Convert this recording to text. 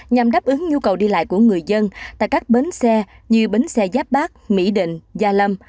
nhằm đáp ứng nhu cầu đi lại của người dân tại các bến xe như bến xe giáp bát mỹ định gia lâm